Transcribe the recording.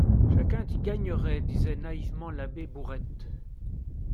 -Chacun y gagnerait, disait naïvement l'abbé Bourrette.